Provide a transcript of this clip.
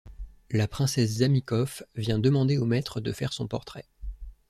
La princesse Zamikoff vient demander au maître de faire son portrait.